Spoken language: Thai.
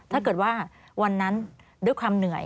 ถ้าเกิดว่าวันนั้นด้วยความเหนื่อย